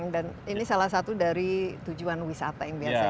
dan ini salah satu dari tujuan wisata yang biasa